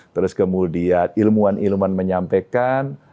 terus kemudian ilmuwan ilmuwan menyampaikan